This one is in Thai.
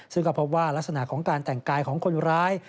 ซึ่งก็พบว่ารักษณะของการแต่งกายของคนร้าย